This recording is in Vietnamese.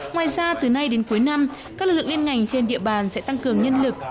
ngoài ra từ nay đến cuối năm các lực lượng liên ngành trên địa bàn